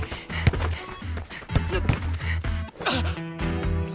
あっ！